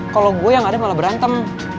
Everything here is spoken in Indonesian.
kalau gue yang ada malah berantem